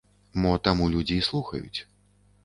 Мо таму людзі і слухаюць.